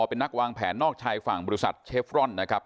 เป็นนักวางแผนนอกชายฝั่งบริษัทเชฟรอนนะครับ